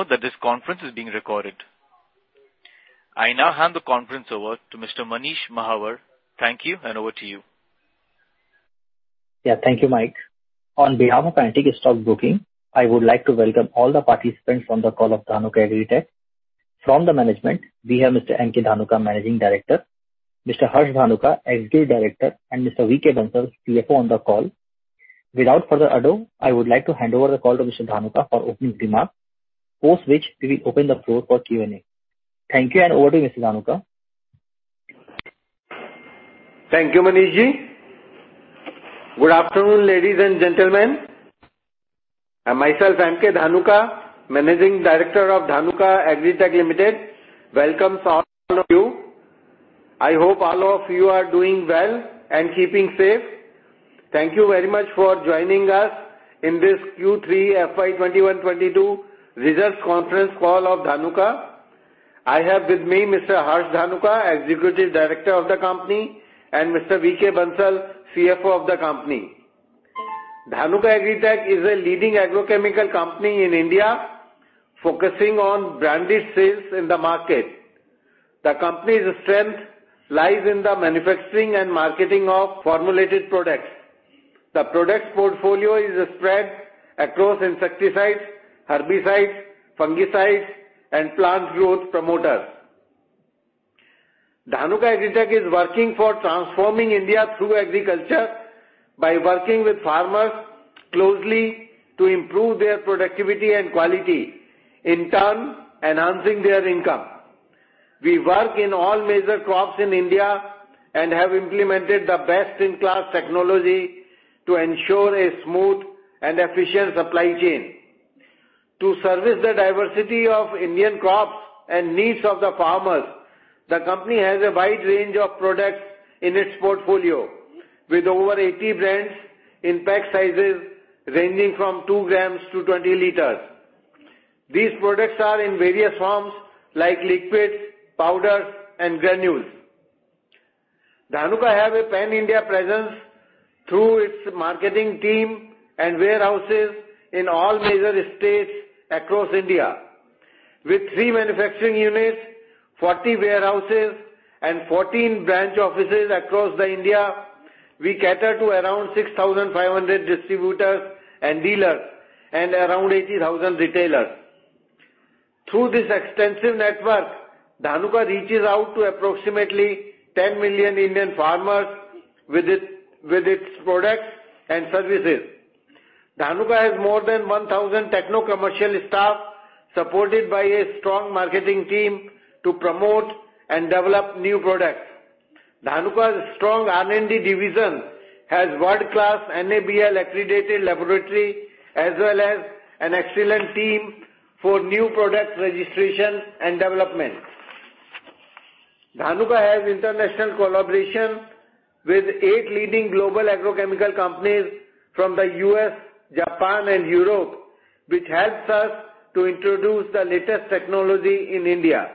Please note that this conference is being recorded. I now hand the conference over to Mr. Manish Mahawar. Thank you, and over to you. Yeah. Thank you, Mike. On behalf of Antique Stock Broking, I would like to welcome all the participants from the call of Dhanuka Agritech. From the management, we have Mr. M.K. Dhanuka, Managing Director, Mr. Harsh Dhanuka, Executive Director, and Mr. V.K. Bansal, CFO on the call. Without further ado, I would like to hand over the call to Mr. Dhanuka for opening remarks, post which we will open the floor for Q&A. Thank you, and over to you, Mr. Dhanuka. Thank you, Manishji. Good afternoon, ladies and gentlemen. Myself, M.K. Dhanuka, Managing Director of Dhanuka Agritech Limited welcomes all of you. I hope all of you are doing well and keeping safe. Thank you very much for joining us in this Q3 FY 2021-22 results conference call of Dhanuka. I have with me Mr. Harsh Dhanuka, Executive Director of the company, and Mr. V.K. Bansal, CFO of the company. Dhanuka Agritech is a leading agrochemical company in India, focusing on branded sales in the market. The company's strength lies in the manufacturing and marketing of formulated products. The product portfolio is spread across insecticides, herbicides, fungicides, and plant growth promoters. Dhanuka Agritech is working for transforming India through agriculture by working with farmers closely to improve their productivity and quality, in turn enhancing their income. We work in all major crops in India and have implemented the best-in-class technology to ensure a smooth and efficient supply chain. To service the diversity of Indian crops and needs of the farmers, the company has a wide range of products in its portfolio, with over 80 brands in pack sizes ranging from two grams to 20 liters. These products are in various forms like liquids, powders, and granules. Dhanuka have a pan-India presence through its marketing team and warehouses in all major states across India. With three manufacturing units, 40 warehouses, and 14 branch offices across India, we cater to around 6,500 distributors and dealers and around 80,000 retailers. Through this extensive network, Dhanuka reaches out to approximately 10 million Indian farmers with its products and services. Dhanuka has more than 1,000 technocommercial staff, supported by a strong marketing team to promote and develop new products. Dhanuka's strong R&D division has world-class NABL-accredited laboratory as well as an excellent team for new product registration and development. Dhanuka has international collaboration with 8 leading global agrochemical companies from the U.S., Japan, and Europe, which helps us to introduce the latest technology in India.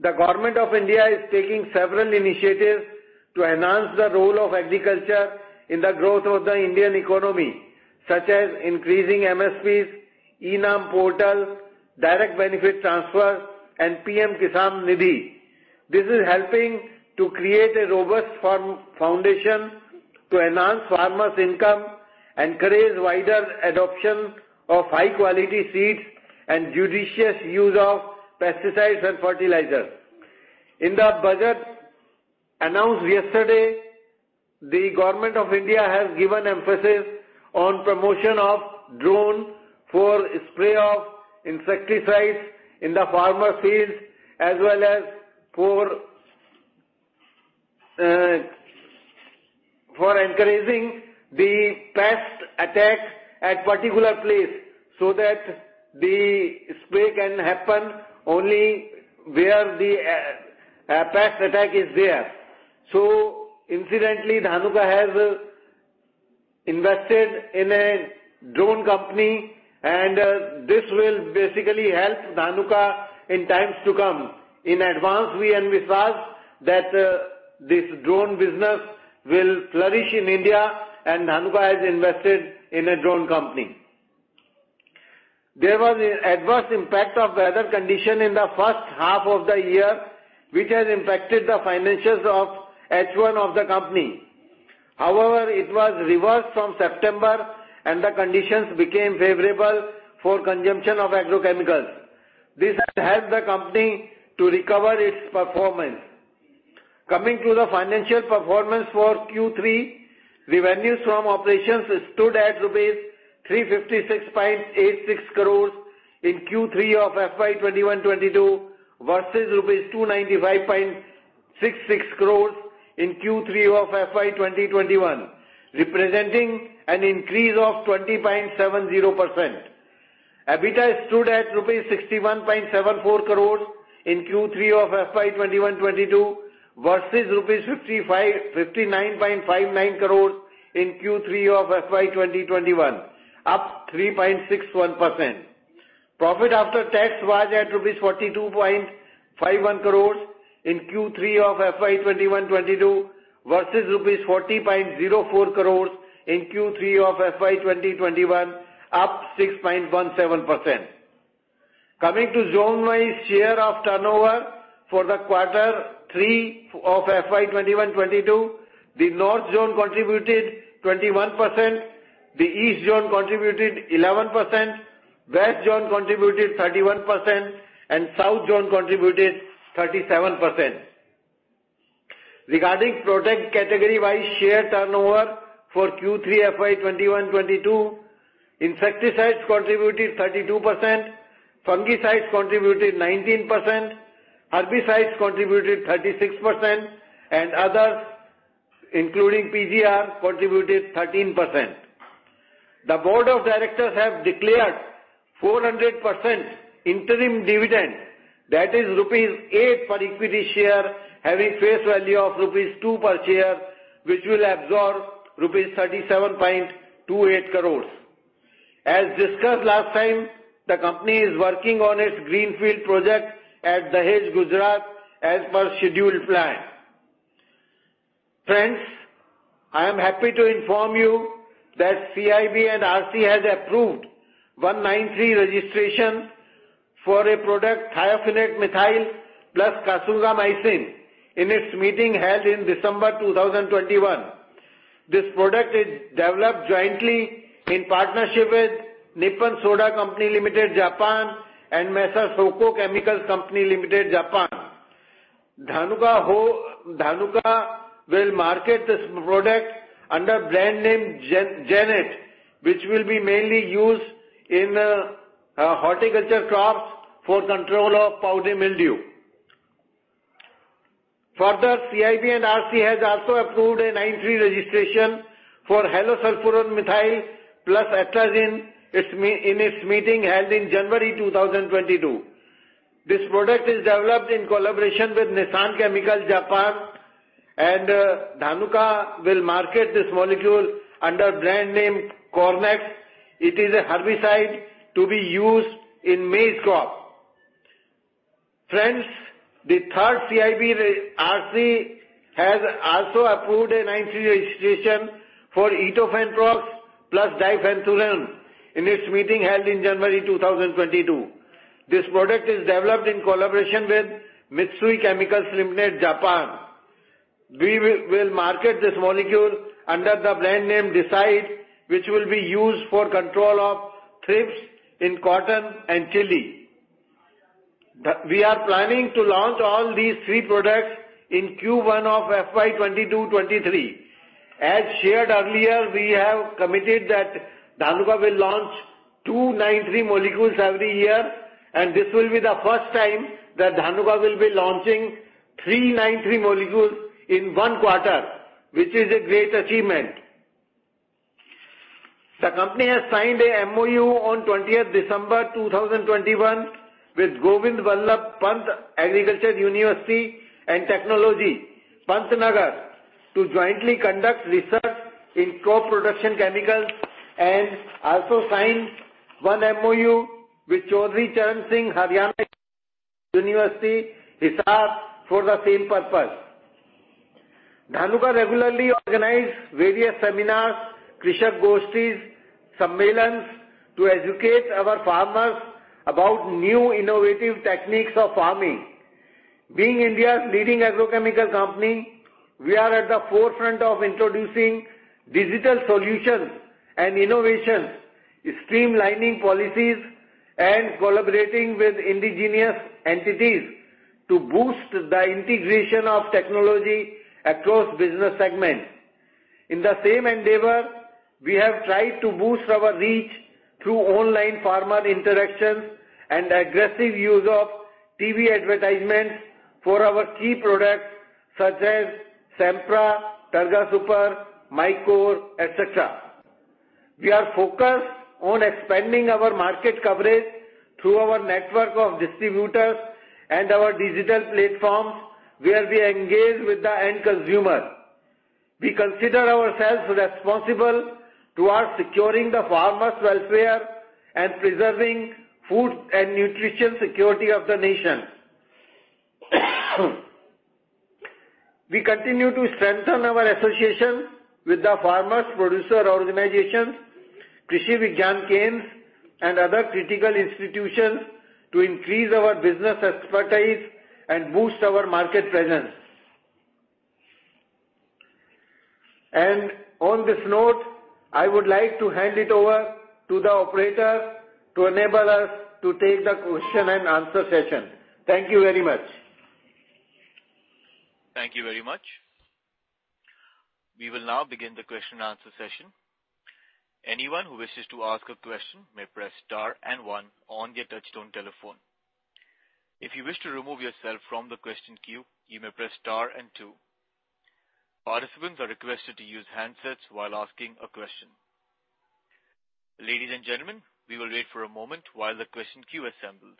The Government of India is taking several initiatives to enhance the role of agriculture in the growth of the Indian economy, such as increasing MSPs, eNAM portal, direct benefit transfer, and PM Kisan Nidhi. This is helping to create a robust farm foundation to enhance farmers' income, encourage wider adoption of high-quality seeds, and judicious use of pesticides and fertilizers. In the budget announced yesterday, the Government of India has given emphasis on promotion of drone for spray of insecticides in the farmer's fields, as well as for encouraging the pest attacks at particular place, so that the spray can happen only where the pest attack is there. Incidentally, Dhanuka has invested in a drone company, and this will basically help Dhanuka in times to come. In advance, we envisage that this drone business will flourish in India, and Dhanuka has invested in a drone company. There was an adverse impact of weather condition in the first half of the year, which has impacted the financials of H1 of the company. However, it was reversed from September, and the conditions became favorable for consumption of agrochemicals. This has helped the company to recover its performance. Coming to the financial performance for Q3, revenues from operations stood at rupees 356.86 crore in Q3 of FY 2021-22 versus rupees 295.66 crore in Q3 of FY 2021, representing an increase of 20.70%. EBITDA stood at INR 61.74 crore in Q3 of FY 2021-22 versus INR 59.59 crore in Q3 of FY 2021, up 3.61%. Profit after tax was at rupees 42.51 crore in Q3 of FY 2021-22 versus rupees 40.04 crore in Q3 of FY 2021, up 6.17%. Coming to zone-wise share of turnover for quarter three of FY 2021-22, the North Zone contributed 21%, the East Zone contributed 11%, West Zone contributed 31%, and South Zone contributed 37%. Regarding product category-wise share turnover for Q3 FY 2021-22, insecticides contributed 32%, fungicides contributed 19%, herbicides contributed 36%, and others, including PGR, contributed 13%. The board of directors have declared 400% interim dividend, that is rupees 8 per equity share, having face value of INR two per share, which will absorb rupees 37.28 crores. As discussed last time, the company is working on its greenfield project at Dahej, Gujarat, as per scheduled plan. Friends, I am happy to inform you that CIB&RC has approved 9(3) registration for a product thiophanate-methyl plus kasugamycin in its meeting held in December 2021. This product is developed jointly in partnership with Nippon Soda Co., Ltd., Japan and Meiji Seika Pharma Co., Ltd., Japan. Dhanuka will market this product under brand name Genet, which will be mainly used in horticulture crops for control of powdery mildew. Further, CIB&RC has also approved a 9(3) registration for halosulfuron-methyl plus atrazine in its meeting held in January 2022. This product is developed in collaboration with Nissan Chemical Corporation, and Dhanuka will market this molecule under brand name Cornex. It is a herbicide to be used in maize crop. Friends, the third CIB&RC has also approved a 9(3) registration for etofenprox plus difenoconazole in its meeting held in January 2022. This product is developed in collaboration with Mitsui Chemicals Limited, Japan. We will market this molecule under the brand name Decide, which will be used for control of thrips in cotton and chili. We are planning to launch all these three products in Q1 of FY 2022-23. As shared earlier, we have committed that Dhanuka will launch two 9(3) molecules every year, and this will be the first time that Dhanuka will be launching three 9(3) molecules in one quarter, which is a great achievement. The company has signed a MoU on 20 December 2021 with Govind Ballabh Pant University of Agriculture and Technology, Pantnagar, to jointly conduct research in crop protection chemicals. Also signed one MoU with Chaudhary Charan Singh Haryana Agricultural University, Hisar, for the same purpose. Dhanuka regularly organize various seminars, Krishak Goshtis, Sammelans, to educate our farmers about new innovative techniques of farming. Being India's leading agrochemical company, we are at the forefront of introducing digital solutions and innovations, streamlining policies, and collaborating with indigenous entities to boost the integration of technology across business segments. In the same endeavor, we have tried to boost our reach through online farmer interactions and aggressive use of TV advertisements for our key products, such as Sempra, Targa Super, Mycore, et cetera. We are focused on expanding our market coverage through our network of distributors and our digital platforms, where we engage with the end consumer. We consider ourselves responsible towards securing the farmers' welfare and preserving food and nutrition security of the nation. We continue to strengthen our associations with the Farmers' Producer Organizations, Krishi Vigyan Kendras, and other critical institutions to increase our business expertise and boost our market presence. On this note, I would like to hand it over to the operator to enable us to take the question and answer session. Thank you very much. Thank you very much. We will now begin the question and answer session. Anyone who wishes to ask a question may press star and one on their touchtone telephone. If you wish to remove yourself from the question queue, you may press star and two. Participants are requested to use handsets while asking a question. Ladies and gentlemen, we will wait for a moment while the question queue assembles.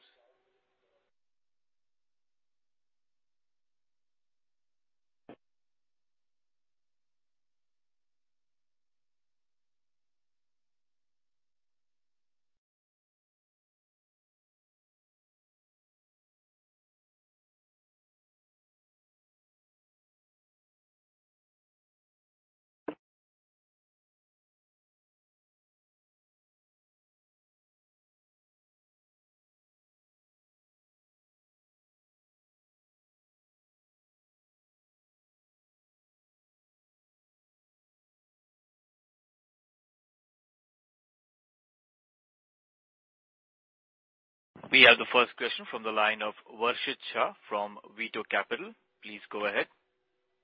We have the first question from the line of Varshit Shah from Veto Capital. Please go ahead.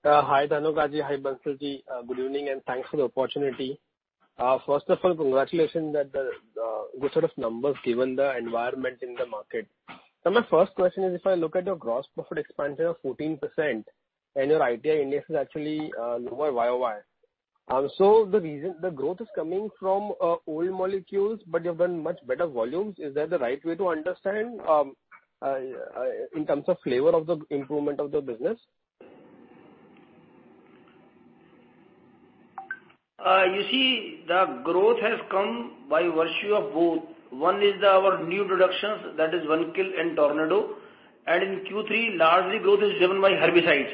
Hi Dhanuka ji, hi Bansalji. Good evening, and thanks for the opportunity. First of all, congratulations that the good set of numbers given the environment in the market. Now, my first question is, if I look at your gross profit expansion of 14% and your ITI is actually lower YOY, so the reason the growth is coming from old molecules, but you've done much better volumes. Is that the right way to understand in terms of flavor of the improvement of the business? You see the growth has come by virtue of both. One is our new introductions, that is Vankil and Tornado, and in Q3, largely growth is driven by herbicides.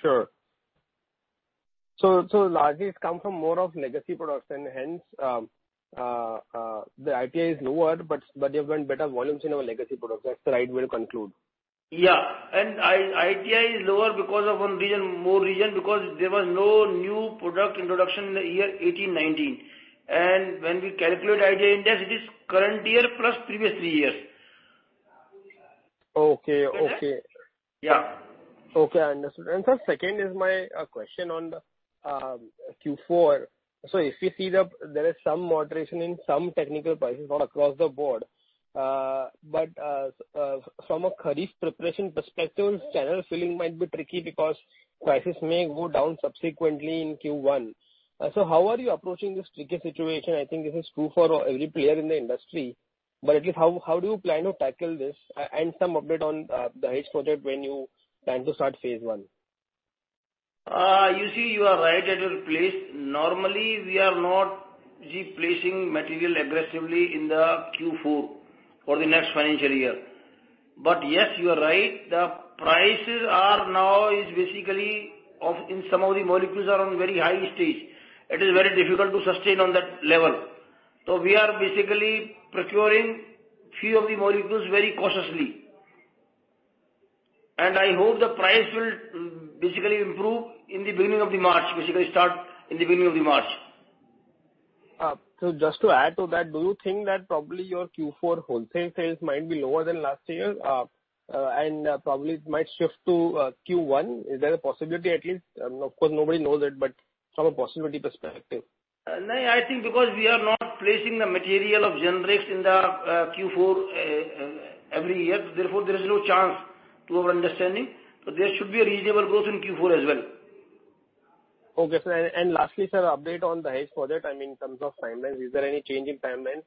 Sure. Largely it's come from more of legacy products and hence, the ITI is lower. You've done better volumes in our legacy products. That's the right way to conclude. Yeah. ITI is lower because of one or more reasons, because there was no new product introduction in the year 2018-2019. When we calculate ITI index, it is current year plus previous three years. Okay. Okay. Yeah. Okay, I understand. Sir, second is my question on the Q4. If you see, there is some moderation in some technical prices, not across the board. From a kharif preparation perspective, channel filling might be tricky because prices may go down subsequently in Q1. How are you approaching this tricky situation? I think this is true for every player in the industry, but at least how do you plan to tackle this? Some update on the Dahej project when you plan to start phase I. You see, you are right. It will place. Normally we are not replacing material aggressively in the Q4 for the next financial year. Yes, you are right, the prices are now basically up in some of the molecules are on very high stage. It is very difficult to sustain on that level. We are basically procuring few of the molecules very cautiously. I hope the price will basically improve in the beginning of March, basically start in the beginning of March. Just to add to that, do you think that probably your Q4 wholesale sales might be lower than last year? Probably it might shift to Q1. Is there a possibility at least? Of course nobody knows it, but from a possibility perspective. No, I think because we are not placing the material of generics in the Q4 every year, therefore there is no change, to our understanding. There should be a reasonable growth in Q4 as well. Okay, sir. Lastly, sir, update on the Dahej project. I mean in terms of timelines, is there any change in timelines?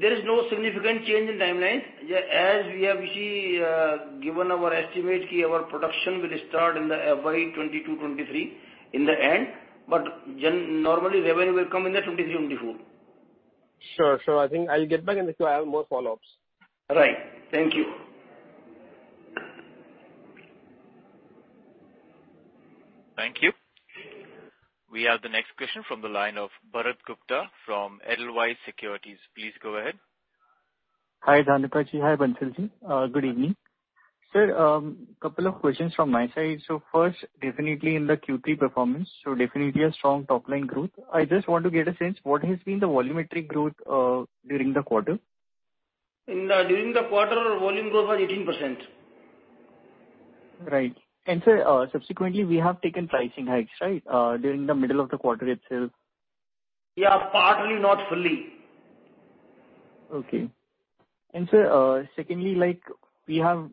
There is no significant change in timelines. As we have seen, given our estimate, our production will start in the FY 2022-2023 in the end, but normally revenue will come in the 2023-2024. Sure. I think I'll get back to you. I have more follow-ups. Right. Thank you. Thank you. We have the next question from the line of Bharat Gupta from Edelweiss Securities. Please go ahead. Hi, Dhanuka Ji. Hi, Bansalji. Good evening. Sir, couple of questions from my side. First, definitely in the Q3 performance, so definitely a strong top-line growth. I just want to get a sense, what has been the volumetric growth during the quarter? During the quarter our volume growth was 18%. Right. Sir, subsequently, we have taken pricing hikes, right? During the middle of the quarter itself. Yeah, partly, not fully. Sir, secondly, like we are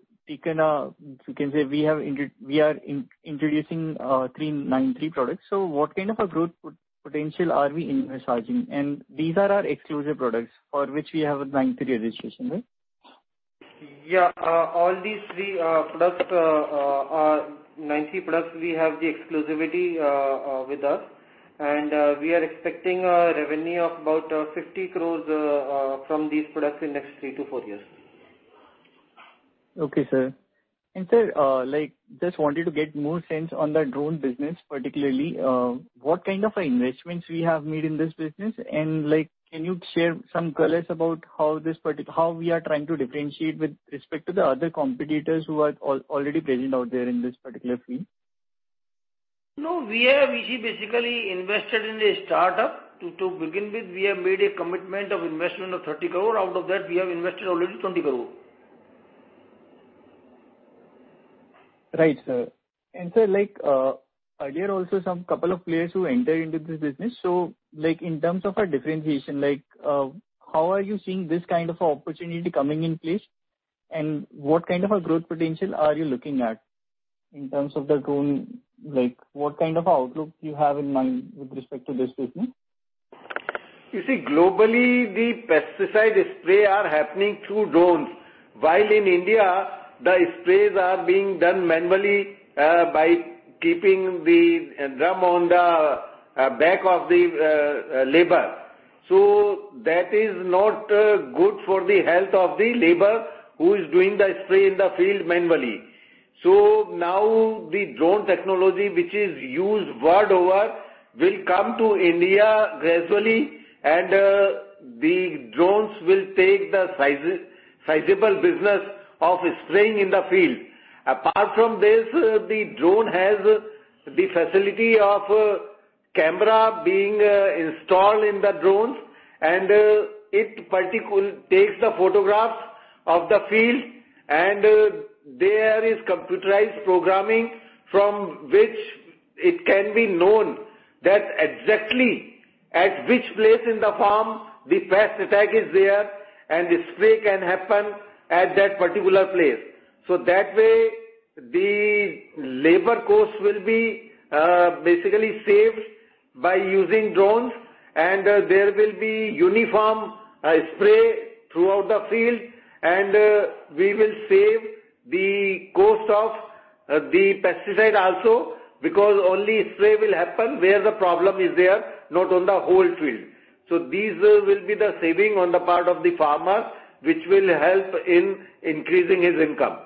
introducing 3, 9, 3 products. What kind of a growth potential are we envisaging? These are our exclusive products for which we have a 9(3) registration, right? Yeah. All these three products are 9(3) products we have the exclusivity with us. We are expecting a revenue of about 50 crores from these products in next three to four years. Okay, sir. Sir, like just wanted to get more sense on the drone business, particularly, what kind of investments we have made in this business and like can you share some colors about how we are trying to differentiate with respect to the other competitors who are already present out there in this particular field? No, we have, we see basically invested in a startup. To begin with, we have made a commitment of investment of 30 crore. Out of that, we have invested already 20 crore. Right, sir. Sir, like, earlier also some couple of players who entered into this business. Like in terms of a differentiation, like, how are you seeing this kind of opportunity coming in place and what kind of a growth potential are you looking at in terms of the drone? Like what kind of outlook you have in mind with respect to this business? You see, globally the pesticide spray are happening through drones. While in India, the sprays are being done manually, by keeping the drum on the back of the labor. So that is not good for the health of the labor who is doing the spray in the field manually. So now the drone technology, which is used world over, will come to India gradually, and the drones will take the sizable business of spraying in the field. Apart from this, the drone has the facility of camera being installed in the drones, and it takes the photographs of the field, and there is computerized programming from which it can be known that exactly at which place in the farm the pest attack is there, and the spray can happen at that particular place. That way, the labor cost will be basically saved by using drones, and there will be uniform spray throughout the field, and we will save the cost of the pesticide also, because only spray will happen where the problem is there, not on the whole field. These will be the saving on the part of the farmers, which will help in increasing his income.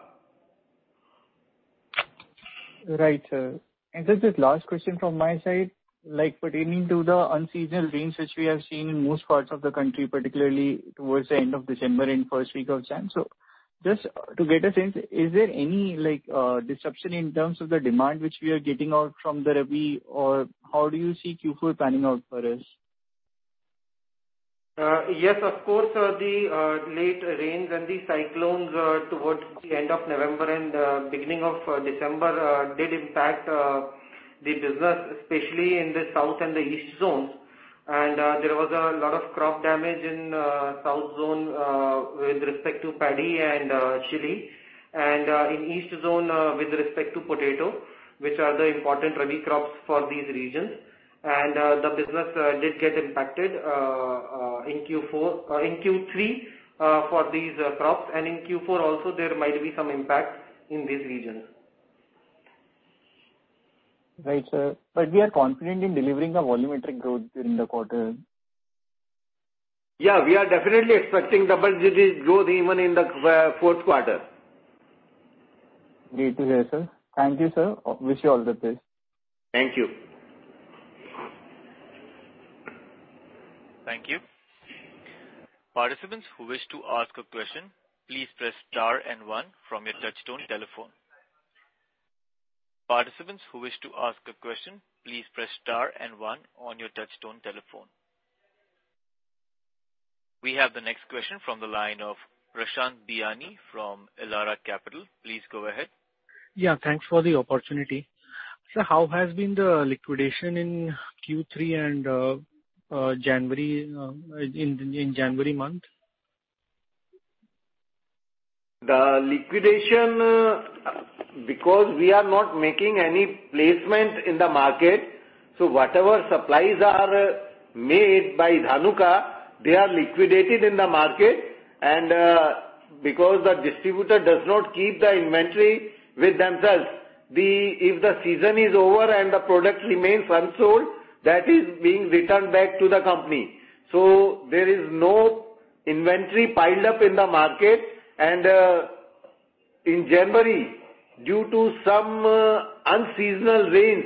Right, sir. This is last question from my side, like pertaining to the unseasonal rains which we have seen in most parts of the country, particularly towards the end of December and first week of January. Just to get a sense, is there any, like, disruption in terms of the demand which we are getting out from the rabi or how do you see Q4 panning out for us? Yes, of course, the late rains and the cyclones towards the end of November and beginning of December did impact the business, especially in the south and the east zones. There was a lot of crop damage in south zone with respect to paddy and chili, and in east zone with respect to potato, which are the important rabi crops for these regions. The business did get impacted in Q3 for these crops. In Q4 also there might be some impact in these regions. Right, sir. We are confident in delivering the volumetric growth during the quarter. Yeah, we are definitely expecting double-digit growth even in the fourth quarter. Great to hear, sir. Thank you, sir. Wish you all the best. Thank you. We have the next question from the line of Prashant Biyani from Elara Capital. Please go ahead. Yeah, thanks for the opportunity. Sir, how has been the liquidation in Q3 and in January month? The liquidation, because we are not making any placement in the market, so whatever supplies are made by Dhanuka, they are liquidated in the market and, because the distributor does not keep the inventory with themselves. If the season is over and the product remains unsold, that is being returned back to the company. There is no inventory piled up in the market. In January, due to some unseasonal rains,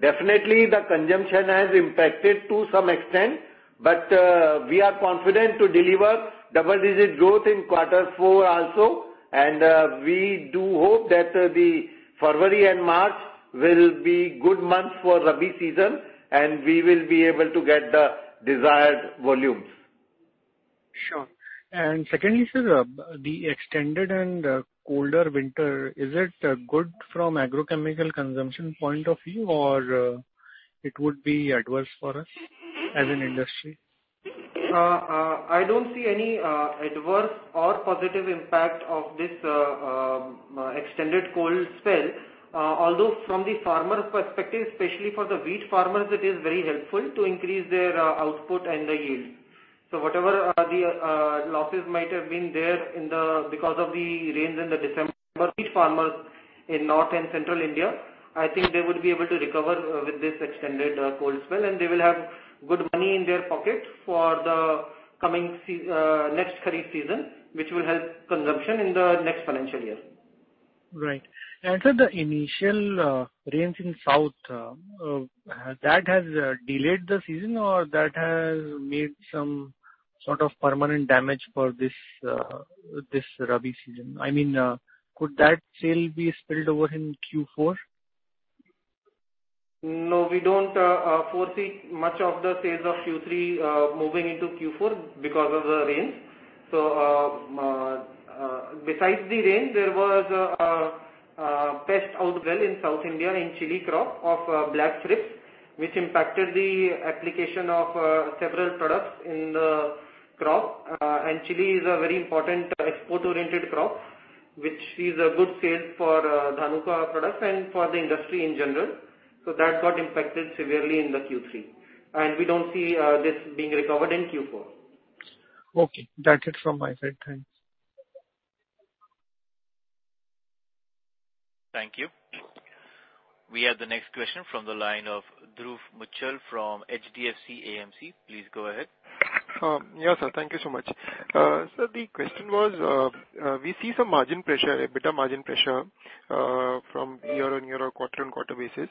definitely the consumption has impacted to some extent. We are confident to deliver double-digit growth in quarter four also. We do hope that, the February and March will be good months for rabi season, and we will be able to get the desired volumes. Sure. Secondly, sir, the extended and colder winter, is it good from agrochemical consumption point of view, or it would be adverse for us as an industry? I don't see any adverse or positive impact of this extended cold spell. Although from the farmer perspective, especially for the wheat farmers, it is very helpful to increase their output and the yield. Whatever the losses might have been there because of the rains in December, wheat farmers in north and central India, I think they would be able to recover with this extended cold spell, and they will have good money in their pocket for the coming next kharif season, which will help consumption in the next financial year. Right. Sir, the initial rains in south that has delayed the season or that has made some sort of permanent damage for this rabi season? I mean, could that sale be spilled over in Q4? No, we don't foresee much of the sales of Q3 moving into Q4 because of the rains. Besides the rain, there was a pest outbreak in South India in chili crop of blackthrips, which impacted the application of several products in the crop. Chili is a very important export-oriented crop, which is a good sales for Dhanuka products and for the industry in general. That got impacted severely in the Q3, and we don't see this being recovered in Q4. Okay. That's it from my side. Thanks. Thank you. We have the next question from the line of Dhruv Muchhal from HDFC AMC. Please go ahead. Yeah, sir. Thank you so much. The question was, we see some margin pressure, EBITDA margin pressure, from year-on-year or quarter-on-quarter basis.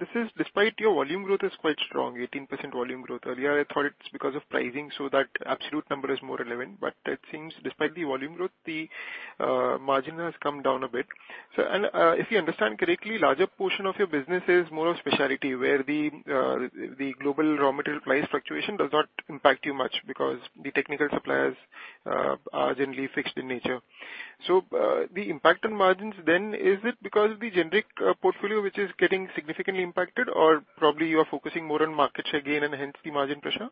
This is despite your volume growth is quite strong, 18% volume growth. Earlier, I thought it's because of pricing, so that absolute number is more relevant. It seems despite the volume growth, the margin has come down a bit. If we understand correctly, larger portion of your business is more of specialty, where the global raw material price fluctuation does not impact you much because the technical suppliers are generally fixed in nature. The impact on margins then, is it because the generic portfolio which is getting significantly impacted or probably you are focusing more on markets again and hence the margin pressure?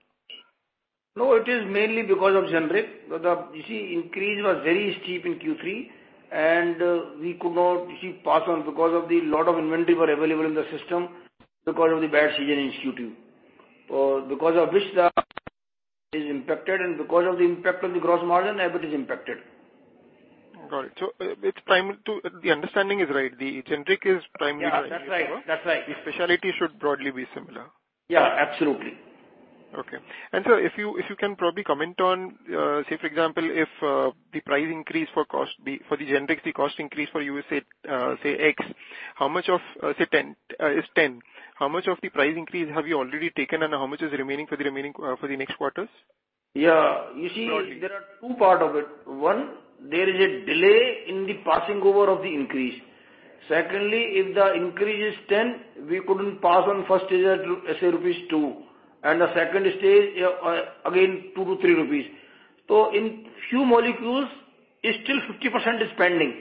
No, it is mainly because of generic. You see, increase was very steep in Q3, and we could not pass on because a lot of inventory was available in the system because of the bad season in Q2. Because of which the margin is impacted and because of the impact on the gross margin, EBITDA is impacted. Got it. It's time to. The understanding is right. The generic is primarily. Yeah. That's right. The specialty should broadly be similar. Yeah. Absolutely. Okay. Sir, if you can probably comment on, say for example, if the price increase for cost for the generics the cost increase for you is say X, how much of say 10 is 10. How much of the price increase have you already taken and how much is remaining for the remaining for the next quarters? Yeah. You see. Broadly. There are two parts of it. One, there is a delay in the passing over of the increase. Secondly, if the increase is 10, we couldn't pass on first stage at, say, rupees 2, and the second stage, again 2-3 rupees. So in few molecules is still 50% is pending,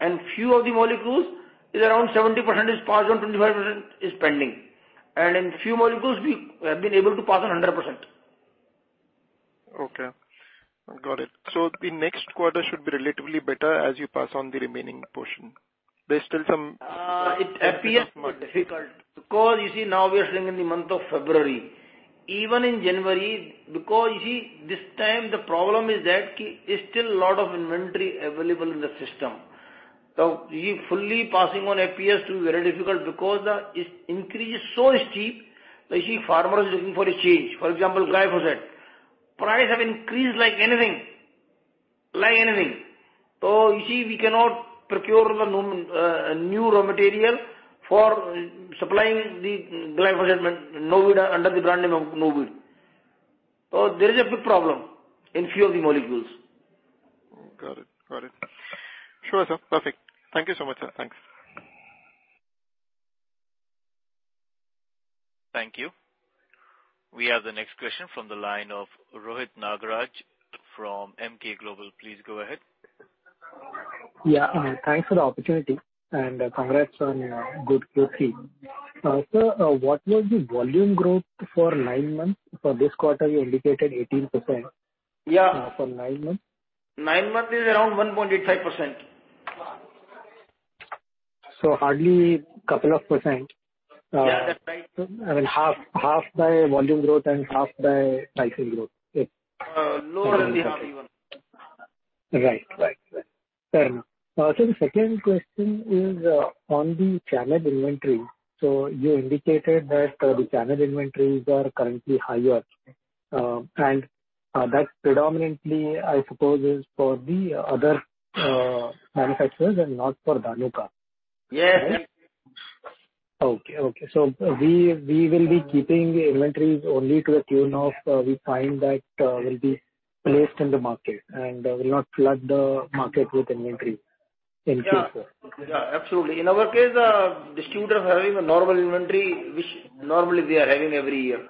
and few of the molecules is around 70% is passed on, 25% is pending. In few molecules we have been able to pass on 100%. Okay. Got it. The next quarter should be relatively better as you pass on the remaining portion. There's still some It appears more difficult because, you see, now we are sitting in the month of February. Even in January, because you see this time the problem is that there's still a lot of inventory available in the system. Fully passing on appears to be very difficult because the increase is so steep that you see farmers looking for a change. For example, glyphosate prices have increased like anything. So you see we cannot procure the new raw material for supplying the glyphosate when LaNevo under the brand name of LaNevo. So there is a big problem in few of the molecules. Got it. Sure, sir. Perfect. Thank you so much, sir. Thanks. Thank you. We have the next question from the line of Rohit Nagraj from Emkay Global. Please go ahead. Yeah. Thanks for the opportunity and congrats on good Q3. Sir, what was the volume growth for 9 months? For this quarter you indicated 18%. Yeah. For nine months. 9 months is around 1.85%. Hardly a couple of percent. Yeah, that's right. I mean half by volume growth and half by pricing growth. Yeah. Lower than half even. Right. Fair enough. Sir, the second question is on the channel inventory. You indicated that the channel inventories are currently higher, and that's predominantly, I suppose, is for the other manufacturers and not for Dhanuka. Yes. We will be keeping inventories only to the tune of what we find that will be placed in the market, and will not flood the market with inventory in future. Yeah. Yeah, absolutely. In our case, distributors are having a normal inventory which normally we are having every year.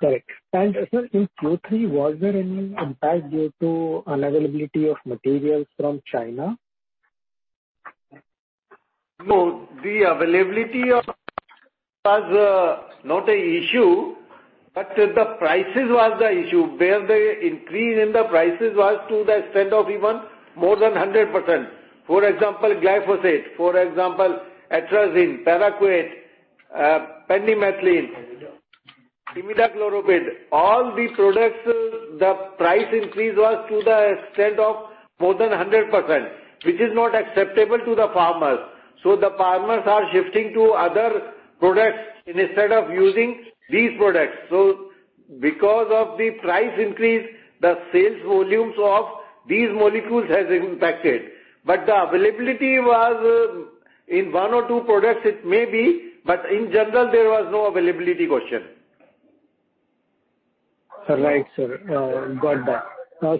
Correct. Sir, in Q3, was there any impact due to unavailability of materials from China? No, the availability was not an issue, but the prices was the issue, where the increase in the prices was to the extent of even more than 100%. For example, glyphosate, for example, atrazine, paraquat, Pendimethalin, Dimethenamid-P. All these products, the price increase was to the extent of more than 100%, which is not acceptable to the farmers. The farmers are shifting to other products instead of using these products. Because of the price increase, the sales volumes of these molecules has impacted. The availability was in one or two products it may be, but in general there was no availability question. Right, sir. Got that.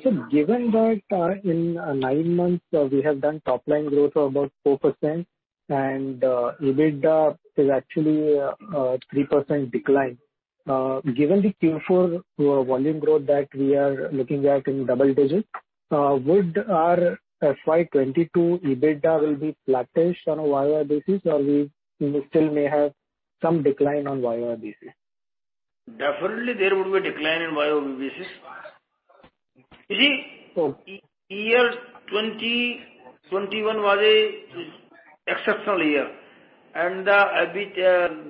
Sir, given that, in nine months, we have done top line growth of about 4% and, EBITDA is actually, a 3% decline. Given the Q4, volume growth that we are looking at in double digits, would our FY 2022 EBITDA will be flattish on a YOY basis, or we still may have some decline on YOY basis? Definitely there would be decline in bio VBS, you see. Oh. 2021 was an exceptional year and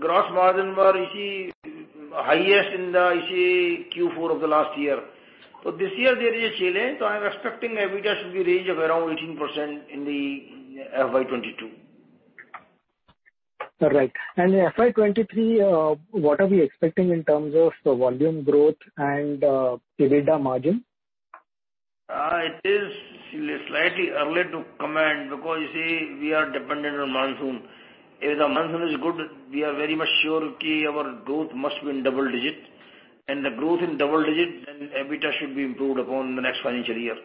gross margin was, you see, highest in Q4 of the last year. This year there is a change, so I'm expecting EBITDA should be range of around 18% in the FY 2022. All right. FY 2023, what are we expecting in terms of the volume growth and EBITDA margin? It is slightly early to comment because you see, we are dependent on monsoon. If the monsoon is good, we are very much sure our growth must be in double digit. The growth in double digit, then EBITDA must be improved upon the next financial year.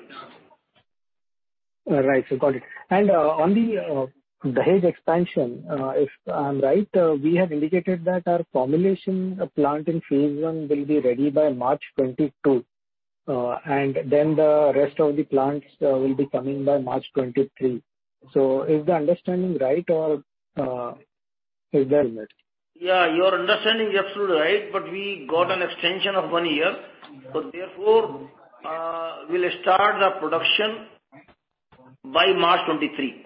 Right. Got it. On the Dahej expansion, if I'm right, we have indicated that our formulation plant in phase I will be ready by March 2022, and then the rest of the plants will be coming by March 2023. Is the understanding right or is there Yeah, your understanding is absolutely right, but we got an extension of one year, so therefore, we'll start the production by March 2023.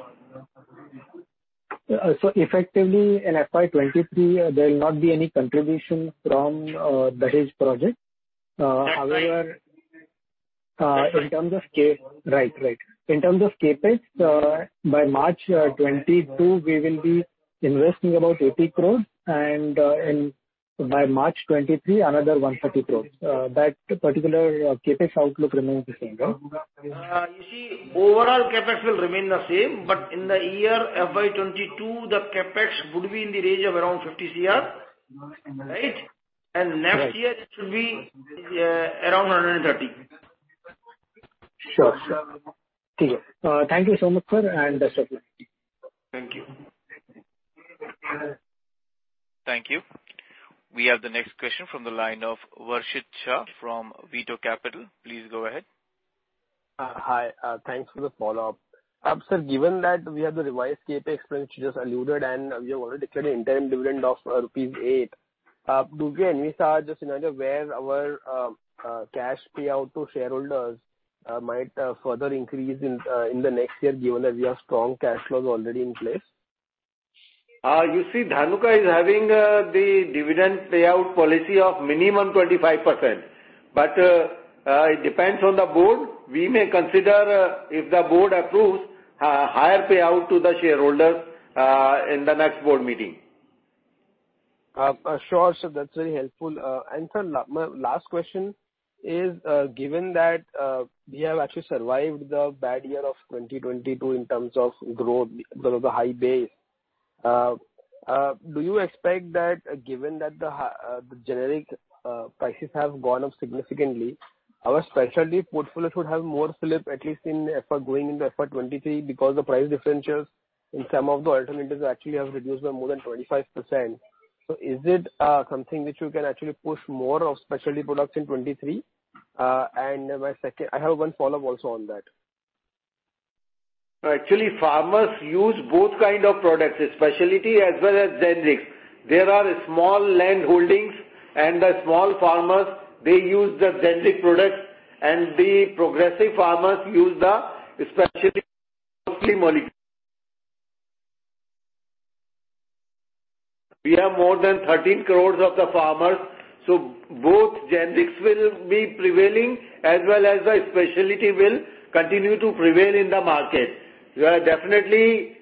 Effectively, in FY 2023, there will not be any contribution from Dahej project. However That's right. In terms of CapEx, by March 2022, we will be investing about 80 crores and by March 2023, another 130 crores. That particular CapEx outlook remains the same, right? You see, overall CapEx will remain the same, but in the year FY 2022, the CapEx would be in the range of around 50 crore, right? Next year- Right. It should be around 130. Sure, sure. Thank you so much, sir, and best of luck. Thank you. Thank you. We have the next question from the line of Varshit Shah from Veto Capital. Please go ahead. Hi. Thanks for the follow-up. Sir, given that we have the revised CapEx plan which you just alluded to, and we have already declared the interim dividend of rupees 8, could we envisage just in terms of where our cash payout to shareholders might further increase in the next year given that we have strong cash flows already in place? You see Dhanuka is having the dividend payout policy of minimum 25%. It depends on the board. We may consider if the board approves a higher payout to the shareholders in the next board meeting. That's very helpful. Sir, my last question is, given that we have actually survived the bad year of 2022 in terms of growth because of the high base, do you expect that given that the generic prices have gone up significantly, our specialty portfolio should have more slip at least for going into FY 2023 because the price differentials in some of the alternatives actually have reduced by more than 25%. Is it something which you can actually push more of specialty products in 2023? My second, I have one follow-up also on that. Actually, farmers use both kind of products, specialty as well as generics. There are small landholdings and the small farmers, they use the generic products and the progressive farmers use the specialty molecule. We have more than 13 crore farmers, so both generics will be prevailing as well as the specialty will continue to prevail in the market. Definitely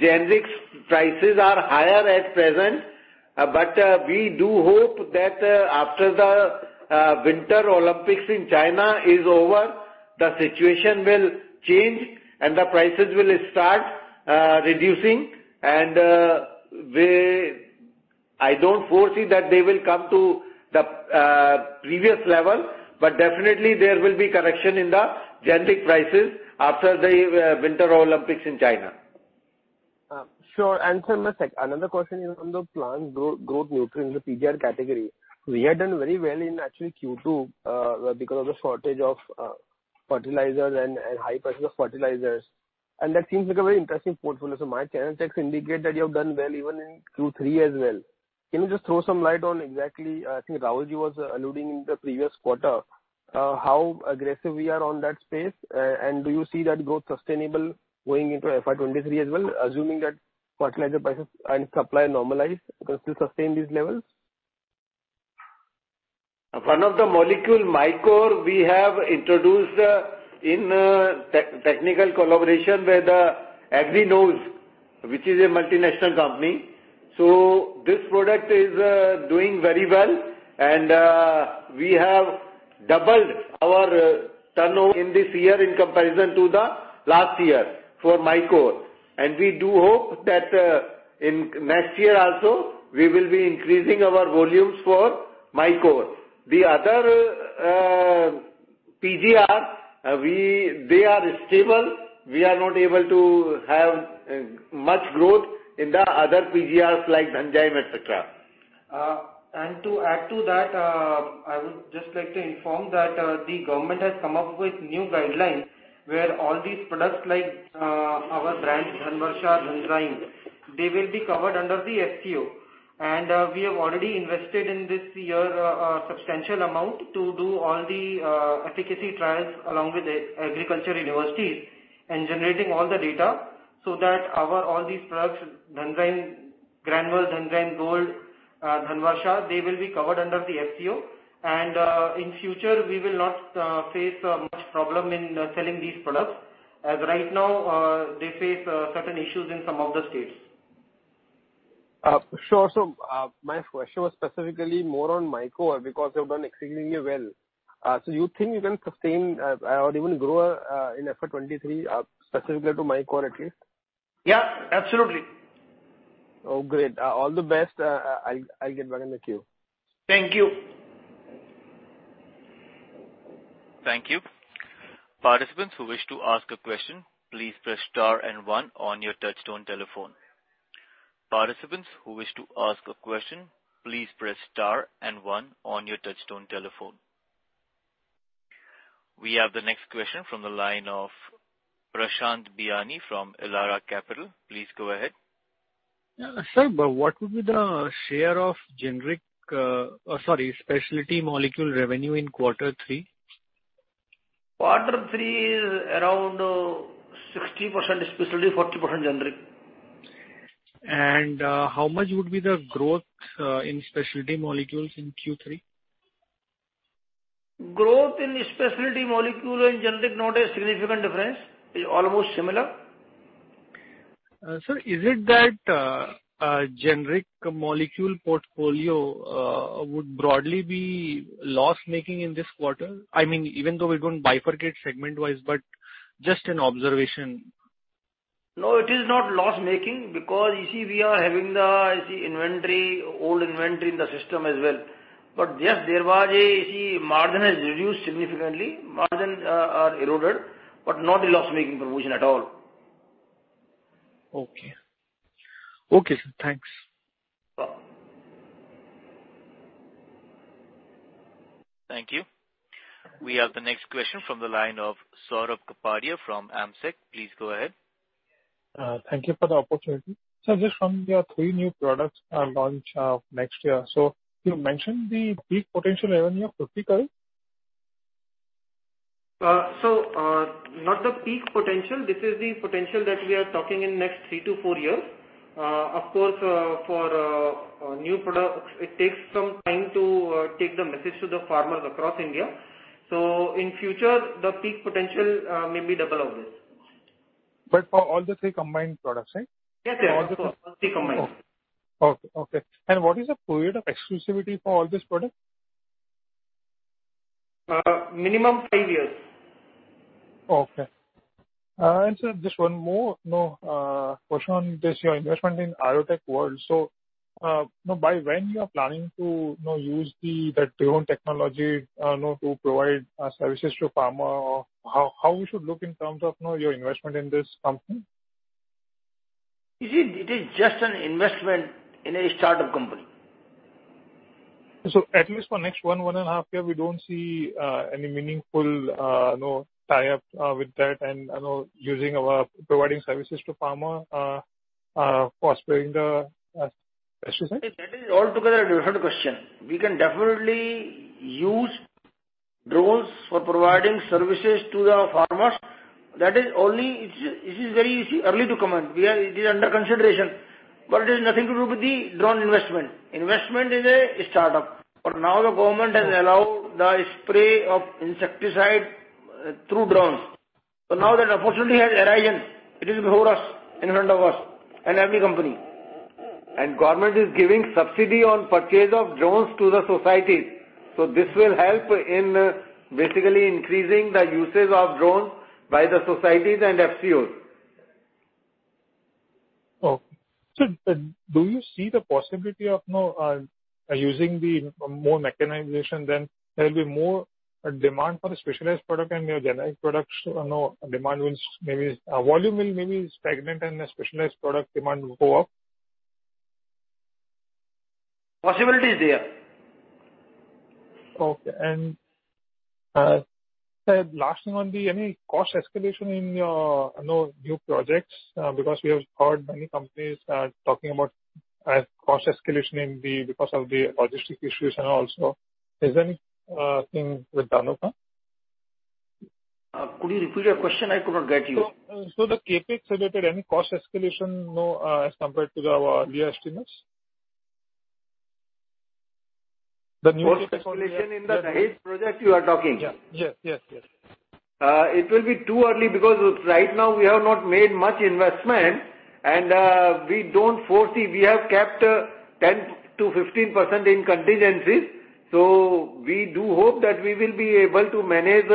generics prices are higher at present, but we do hope that after the Winter Olympics in China is over, the situation will change and the prices will start reducing. I don't foresee that they will come to the previous level, but definitely there will be correction in the generic prices after the Winter Olympics in China. Sure. Sir, another question is on the plant growth nutrients, the PGR category. We had done very well in actually Q2 because of the shortage of fertilizers and high prices of fertilizers. That seems like a very interesting portfolio. My channel checks indicate that you have done well even in Q3 as well. Can you just throw some light on exactly, I think Rahulji was alluding in the previous quarter, how aggressive we are on that space? Do you see that growth sustainable going into FY 2023 as well, assuming that fertilizer prices and supply normalize to sustain these levels? One of the molecule Mycore, we have introduced in technical collaboration with Agrinos, which is a multinational company. This product is doing very well and we have doubled our turnover in this year in comparison to the last year for Mycore. We do hope that in next year also we will be increasing our volumes for Mycore. The other PGR, they are stable. We are not able to have much growth in the other PGRs like enzyme, et cetera. To add to that. Just like to inform that the government has come up with new guidelines where all these products like our brand Dhanvarsha, Dhanzyme, they will be covered under the FCO. We have already invested in this year a substantial amount to do all the efficacy trials along with agricultural universities and generating all the data so that our all these products, Dhanzyme, Granule, Dhanzyme Gold, Dhanvarsha, they will be covered under the FCO. In future, we will not face much problem in selling these products as right now they face certain issues in some of the states. Sure. My question was specifically more on Mycore because they've done exceedingly well. You think you can sustain or even grow in FY 2023, specifically to Mycore at least? Yeah, absolutely. Oh, great. All the best. I'll get back in the queue. Thank you. Thank you. We have the next question from the line of Prashant Biyani from Elara Capital. Please go ahead. Yeah. Sir, what would be the share of generic, or sorry, specialty molecule revenue in quarter three? Quarter three is around 60% specialty, 40% generic. How much would be the growth in specialty molecules in Q3? Growth in specialty molecule and generic not a significant difference. It's almost similar. Sir, is it that generic molecule portfolio would broadly be loss-making in this quarter? I mean, even though we're going to bifurcate segment-wise, but just an observation. No, it is not loss-making because you see we are having the, you see, inventory, old inventory in the system as well. Yes, there was a, you see, margin has reduced significantly. Margins are eroded, but not a loss-making provision at all. Okay. Okay, sir. Thanks. Welcome. Thank you. We have the next question from the line of Saurabh Kapadia from Amsec. Please go ahead. Thank you for the opportunity. Sir, just from your three new products, launch, next year. You mentioned the peak potential revenue of 50 crore? not the peak potential. This is the potential that we are talking in next three to four years. Of course, for a new products, it takes some time to take the message to the farmers across India. In future, the peak potential may be double of this. For all the three combined products, right? Yes, yes. All the- Of course, all three combined. Okay. What is the period of exclusivity for all these products? Minimum five years. Okay. Sir, just one more, you know, question on this, your investment in IoTechWorld. You know, by when you are planning to, you know, use the drone technology, you know, to provide services to farmer? How we should look in terms of, you know, your investment in this company? You see, it is just an investment in a start-up company. At least for next one and a half year, we don't see any meaningful, you know, tie-up with that and, you know, using our providing services to farmer for spraying the pesticides? That is altogether a different question. We can definitely use drones for providing services to the farmers. It is very early to comment. It is under consideration. It is nothing to do with the drone investment. Investment is a start-up. For now the government has allowed the spray of insecticide through drones. Now that opportunity has arisen. It is before us, in front of us and every company. Government is giving subsidy on purchase of drones to the societies. This will help in basically increasing the usage of drones by the societies and FPOs. Do you see the possibility of, you know, using more mechanization then there'll be more demand for the specialized product and your generic products, you know, volume will maybe stagnate and the specialized product demand will go up? Possibility is there. Okay. Sir, last one. Is there any cost escalation in your, you know, new projects? Because we have heard many companies are talking about cost escalation because of the logistics issues and also is there anything with Dhanuka? Could you repeat your question? I could not get you. The CapEx-related, any cost escalation, you know, as compared to our earlier estimates? Cost escalation in the Dahej project you are talking? Yeah. Yes, yes. It will be too early because right now we have not made much investment and we don't foresee. We have kept 10%-15% in contingencies. We do hope that we will be able to manage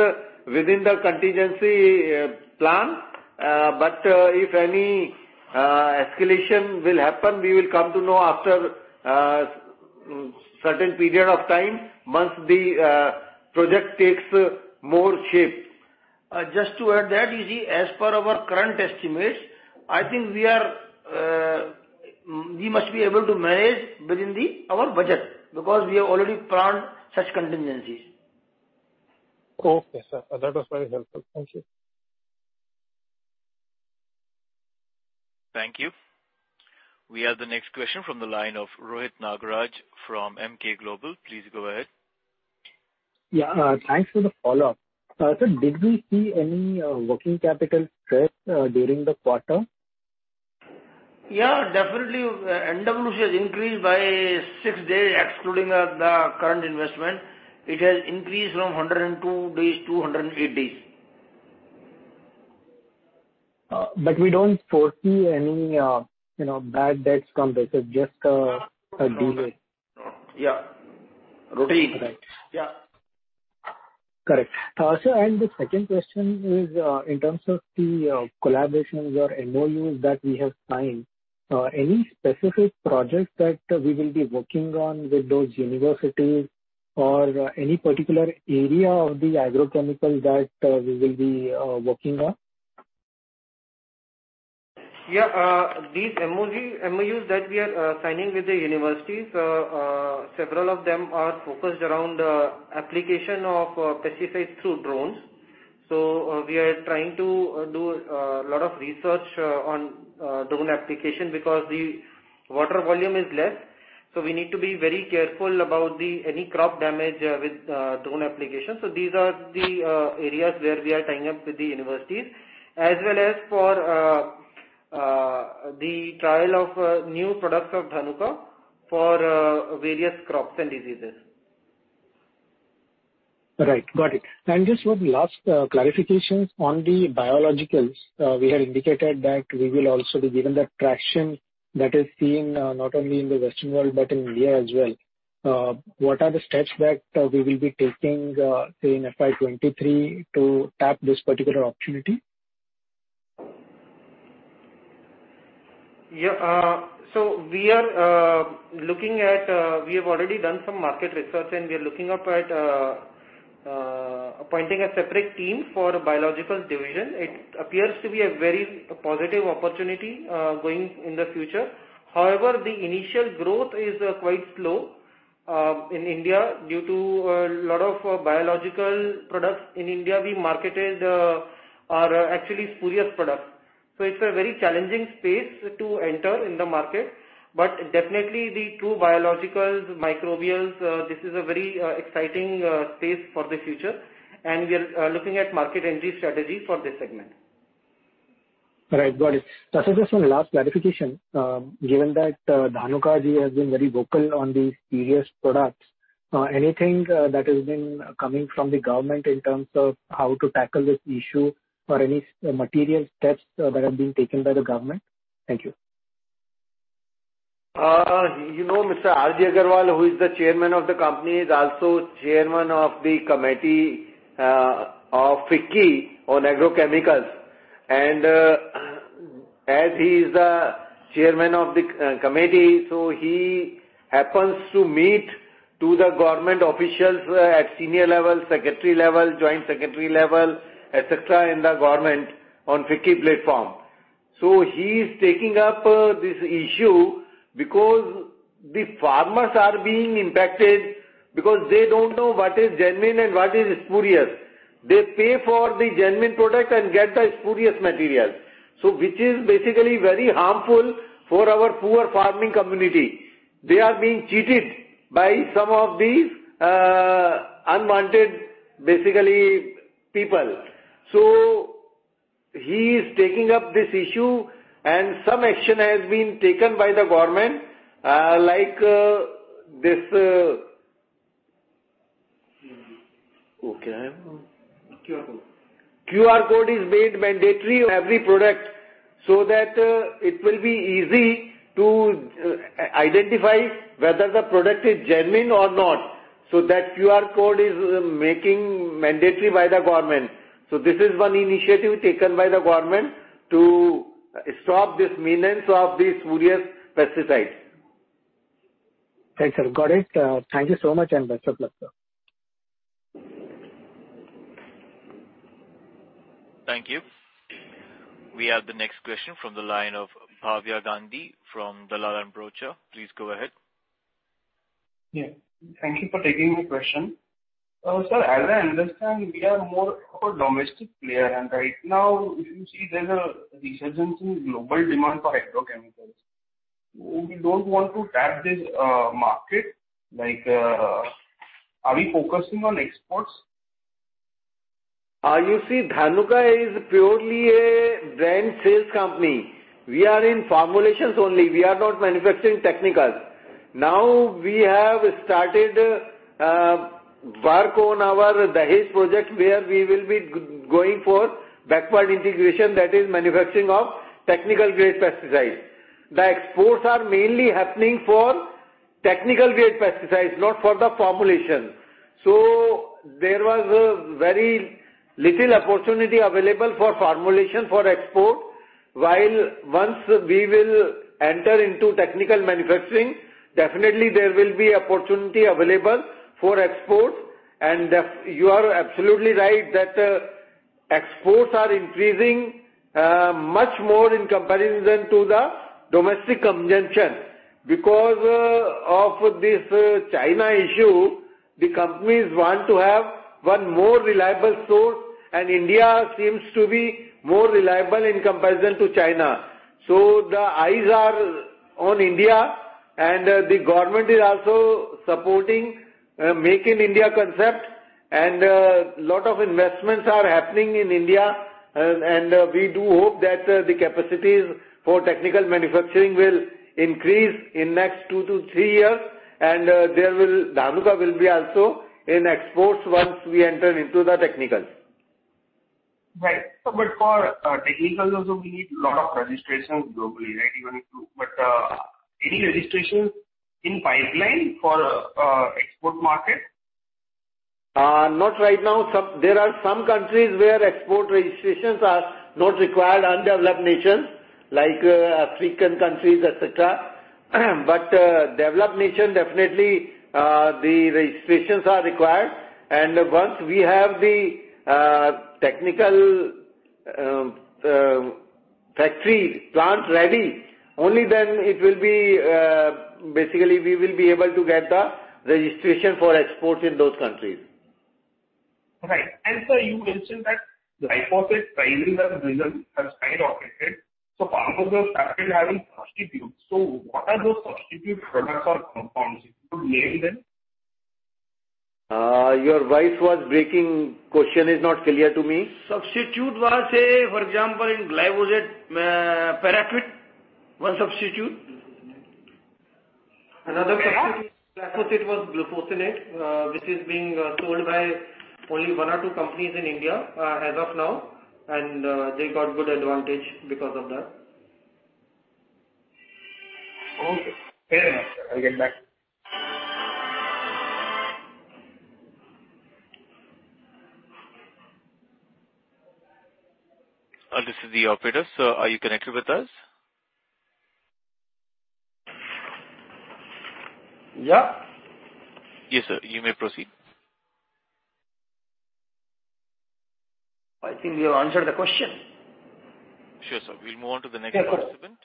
within the contingency plan. If any escalation will happen, we will come to know after certain period of time once the project takes more shape. Just to add that, you see, as per our current estimates, I think we are, we must be able to manage within our budget because we have already planned such contingencies. Okay, sir. That was very helpful. Thank you. Thank you. We have the next question from the line of Rohit Nagraj from Emkay Global. Please go ahead. Yeah, thanks for the follow-up. Sir, did we see any working capital stress during the quarter? Yeah, definitely. NWC has increased by 6 days, excluding the current investment. It has increased from 102 days to 108 days. We don't foresee any, you know, bad debts from this. It's just a delay. Yeah. Routine. All right. Yeah. Correct. Sir, the second question is, in terms of the collaborations or MOUs that we have signed, any specific projects that we will be working on with those universities or any particular area of the agrochemicals that we will be working on? These MOUs that we are signing with the universities, several of them are focused around application of pesticides through drones. We are trying to do a lot of research on drone application because the water volume is less, so we need to be very careful about any crop damage with drone application. These are the areas where we are tying up with the universities, as well as for the trial of new products of Dhanuka for various crops and diseases. Right. Got it. Just one last clarification on the biologicals. We had indicated that we will also be given the traction that is seen, not only in the Western world, but in India as well. What are the steps that we will be taking, say, in FY 2023 to tap this particular opportunity? We have already done some market research and we are looking at appointing a separate team for biological division. It appears to be a very positive opportunity going in the future. However, the initial growth is quite slow in India due to a lot of biological products in India we marketed are actually spurious products. It's a very challenging space to enter in the market. Definitely the two biologicals, microbials, this is a very exciting space for the future and we are looking at market entry strategy for this segment. Right. Got it. Sir, just one last clarification. Given that, Dhanuka Ji has been very vocal on the spurious products, anything that has been coming from the government in terms of how to tackle this issue or any material steps that are being taken by the government? Thank you. You know, Mr. R.G. Agarwal, who is the chairman of the company, is also chairman of the committee of FICCI on agrochemicals. As he is the chairman of the committee, he happens to meet the government officials at senior level, secretary level, joint secretary level, et cetera, in the government on FICCI platform. He is taking up this issue because the farmers are being impacted because they don't know what is genuine and what is spurious. They pay for the genuine product and get the spurious material. Which is basically very harmful for our poor farming community. They are being cheated by some of these unwanted, basically, people. He is taking up this issue and some action has been taken by the government, like this. QR code. QR code is made mandatory on every product so that it will be easy to identify whether the product is genuine or not. That QR code is making mandatory by the government. This is one initiative taken by the government to stop this menace of the spurious pesticides. Thanks, sir. Got it. Thank you so much and best of luck, sir. Thank you. We have the next question from the line of Bhavya Gandhi from Dalal & Broacha. Please go ahead. Yeah. Thank you for taking the question. Sir, as I understand, we are more of a domestic player, and right now you see there's a resurgence in global demand for agrochemicals. We don't want to tap this market. Like, are we focusing on exports? You see, Dhanuka is purely a brand sales company. We are in formulations only. We are not manufacturing technicals. Now we have started work on our Dahej project where we will be going for backward integration, that is manufacturing of technical grade pesticides. The exports are mainly happening for technical grade pesticides, not for the formulation. So there was very little opportunity available for formulation for export. While once we will enter into technical manufacturing, definitely there will be opportunity available for export. And you are absolutely right that exports are increasing much more in comparison to the domestic consumption. Because of this China issue, the companies want to have one more reliable source, and India seems to be more reliable in comparison to China. The eyes are on India, and the government is also supporting Make in India concept, and lot of investments are happening in India. We do hope that the capacities for technical manufacturing will increase in next two to three years. Dhanuka will be also in exports once we enter into the technicals. Right. For technical also we need lot of registrations globally, right? Any registrations in pipeline for export market? Not right now. There are some countries where export registrations are not required, undeveloped nations, like African countries, et cetera. But developed nation, definitely the registrations are required. Once we have the technical factory plant ready, only then it will be basically we will be able to get the registration for export in those countries. Right. Sir, you mentioned that glyphosate pricing has risen, has skyrocketed, so farmers have started having substitutes. What are those substitute products or compounds? If you could name them? Your voice was breaking. Question is not clear to me. Substitute was, say for example, in glyphosate, paraquat, one substitute. Another substitute for glyphosate was glufosinate, which is being sold by only one or two companies in India, as of now. They got good advantage because of that. Okay. Fair enough, sir. I'll get back. This is the operator. Sir, are you connected with us? Yeah. Yes, sir. You may proceed. I think we have answered the question. Sure, sir. We'll move on to the next participant. Yeah, of course.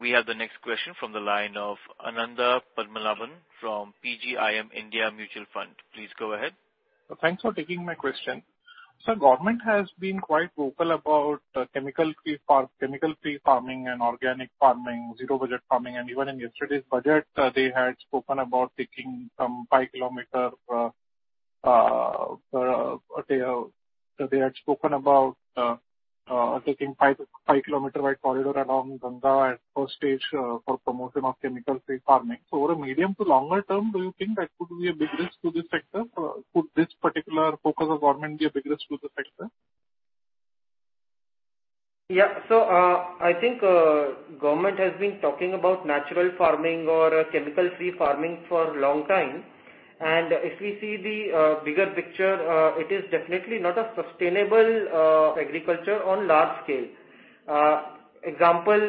We have the next question from the line of Anandha Padmanabhan from PGIM India Mutual Fund. Please go ahead. Thanks for taking my question. Sir, government has been quite vocal about chemical-free farm, chemical-free farming and organic farming, zero budget farming, and even in yesterday's budget, they had spoken about taking five-kilometer wide corridor along Ganga at first stage for promotion of chemical-free farming. Over a medium to longer- term, do you think that could be a big risk to this sector? Could this particular focus of government be a big risk to the sector? I think government has been talking about natural farming or chemical-free farming for long time. If we see the bigger picture, it is definitely not a sustainable agriculture on large scale. Example,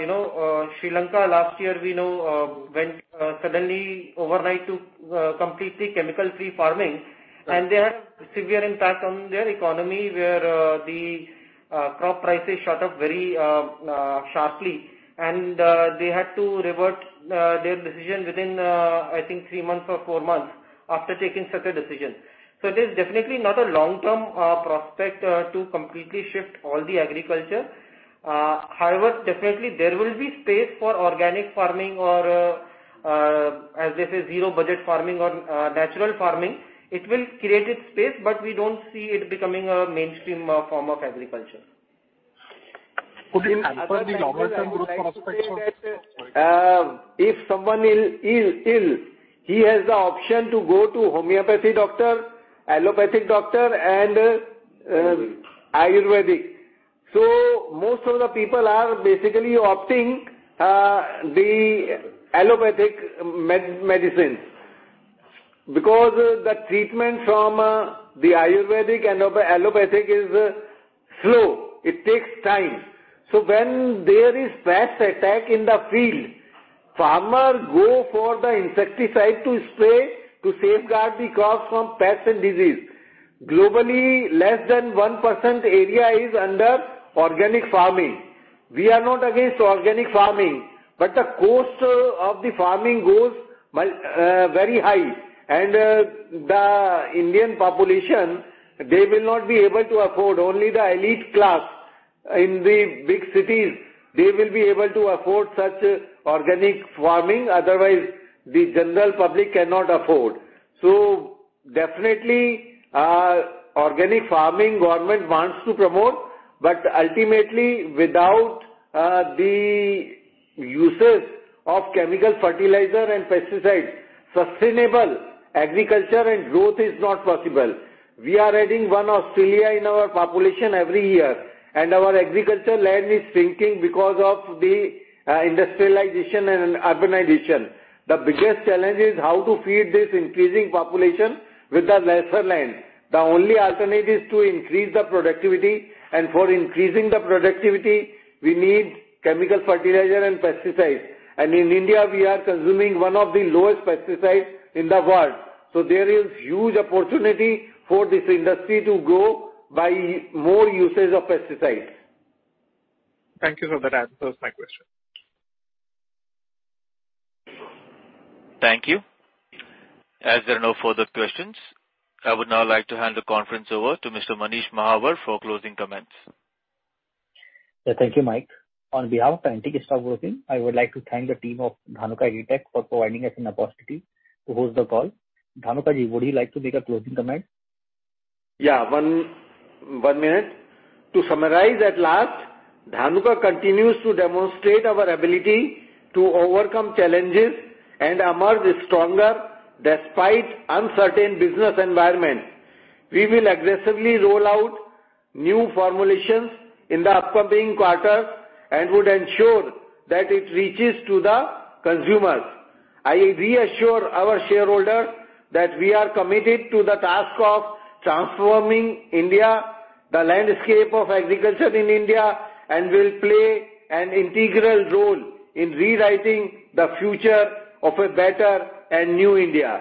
you know, Sri Lanka last year, we know, went suddenly overnight to completely chemical-free farming. Right They had severe impact on their economy, where the crop prices shot up very sharply. They had to revert their decision within I think three months or four months after taking such a decision. It is definitely not a long-term prospect to completely shift all the agriculture. However, definitely there will be space for organic farming or, as they say, zero budget farming or natural farming. It will create its space, but we don't see it becoming a mainstream form of agriculture. Could it hamper the longer- term growth prospects for the sector? Sorry. If someone is ill, he has the option to go to homeopathy doctor, allopathic doctor and Ayurvedic. Most of the people are basically opting the allopathic medicine. Because the treatment from the Ayurvedic and allopathic is slow. It takes time. When there is pest attack in the field, farmer go for the insecticide to spray to safeguard the crops from pests and disease. Globally, less than 1% area is under organic farming. We are not against organic farming, but the cost of the farming goes very high. The Indian population, they will not be able to afford. Only the elite class in the big cities, they will be able to afford such organic farming. Otherwise, the general public cannot afford. Definitely, organic farming, government wants to promote, but ultimately without the uses of chemical fertilizer and pesticides, sustainable agriculture and growth is not possible. We are adding one Australia in our population every year. Our agriculture land is shrinking because of the industrialization and urbanization. The biggest challenge is how to feed this increasing population with the lesser land. The only alternative is to increase the productivity, and for increasing the productivity, we need chemical fertilizer and pesticides. In India, we are consuming one of the lowest pesticides in the world. There is huge opportunity for this industry to grow by more usage of pesticides. Thank you for that answer. That was my question. Thank you. As there are no further questions, I would now like to hand the conference over to Mr. Manish Mahawar for closing comments. Yeah. Thank you, Mike. On behalf of Antique Stock Broking, I would like to thank the team of Dhanuka Agritech for providing us an opportunity to host the call. Dhanuka, would you like to make a closing comment? To summarize at last, Dhanuka continues to demonstrate our ability to overcome challenges and emerge stronger despite uncertain business environment. We will aggressively roll out new formulations in the upcoming quarters and would ensure that it reaches to the consumers. I reassure our shareholders that we are committed to the task of transforming India, the landscape of agriculture in India, and will play an integral role in rewriting the future of a better and new India.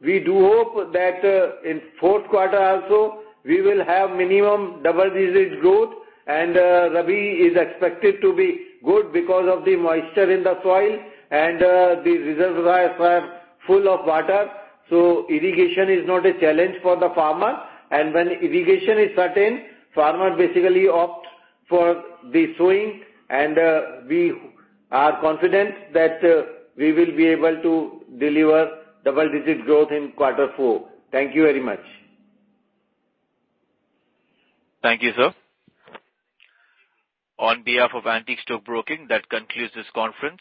We do hope that in fourth quarter also, we will have minimum double-digit growth, and Rabi is expected to be good because of the moisture in the soil and the reservoirs are full of water, so irrigation is not a challenge for the farmer. When irrigation is certain, farmer basically opts for the sowing. We are confident that we will be able to deliver double-digit growth in quarter four. Thank you very much. Thank you, sir. On behalf of Antique Stock Broking, that concludes this conference.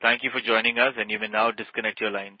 Thank you for joining us, and you may now disconnect your lines.